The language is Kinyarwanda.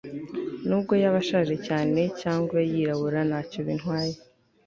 n'ubwo yaba ashaje cyane cyangwa yirabura nacyo bintwaye